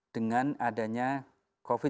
dengan adanya covid